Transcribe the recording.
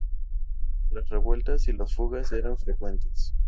Las revueltas y las fugas eran frecuentes.